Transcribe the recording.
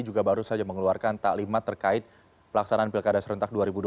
juga baru saja mengeluarkan taklimat terkait pelaksanaan pilkada serentak dua ribu dua puluh